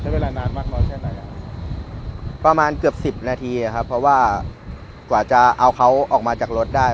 เวลานานมากน้อยแค่ไหนอ่ะประมาณเกือบสิบนาทีครับเพราะว่ากว่าจะเอาเขาออกมาจากรถได้